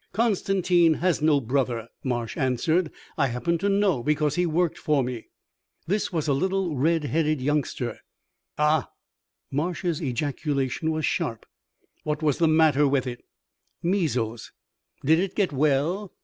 "Constantine has no brother," Marsh answered. "I happen to know, because he worked for me." "This was a little red headed youngster." "Ah!" Marsh's ejaculation was sharp. "What was the matter with it?" "Measles." "Did it get well?"